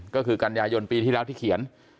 ก็คือกันยายนปีที่แล้วที่เขียน